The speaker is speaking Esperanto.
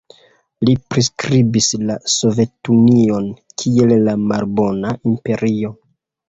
Li priskribis la Sovetunion kiel "la malbona imperio".